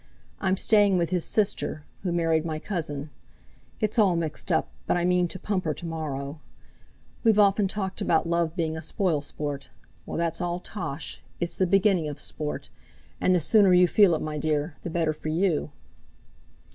I'm staying with his sister—who married my cousin; it's all mixed up, but I mean to pump her to morrow. We've often talked about love being a spoil sport; well, that's all tosh, it's the beginning of sport, and the sooner you feel it, my dear, the better for you.